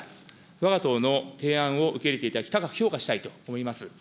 わが党の提案を受け入れていただき、高く評価したいと思います。